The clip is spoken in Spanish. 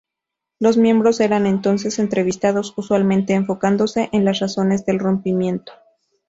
Los miembros eran entonces entrevistados, usualmente enfocándose en las razones del rompimiento.